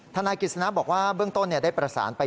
ทนายกฤษณะบอกว่าเบื้องต้นได้ประสานไป